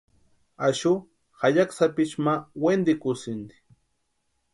Axu jayaki sapichu ma wentikusïnti.